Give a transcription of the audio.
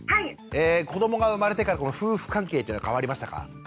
子どもが生まれてから夫婦関係っていうのは変わりましたか？